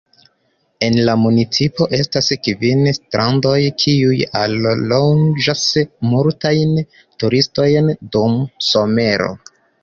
En la municipo estas kvin strandoj, kiuj allogas multajn turistojn dum somero.